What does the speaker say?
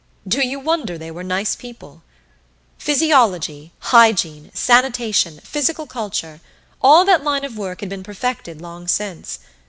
Do you wonder they were nice people? Physiology, hygiene, sanitation, physical culture all that line of work had been perfected long since.